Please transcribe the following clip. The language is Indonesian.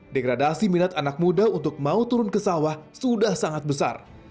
degradasi minat anak muda untuk mau turun ke sawah sudah sangat besar